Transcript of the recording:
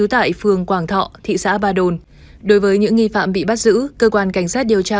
tại phường quảng thọ đối với những nghi phạm bị bắt giữ cơ quan cảnh sát điều tra